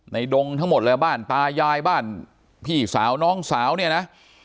ดงทั้งหมดเลยบ้านตายายบ้านพี่สาวน้องสาวเนี่ยนะ